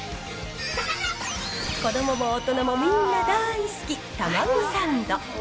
子どもも大人もみんな大好き、たまごサンド。